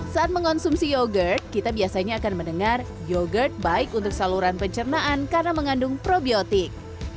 saat mengonsumsi yogurt kita biasanya akan mendengar yogurt baik untuk saluran pencernaan karena mengandung probiotik